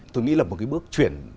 tôi nghĩ là một cái bước chuyển